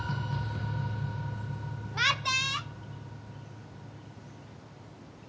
・待って！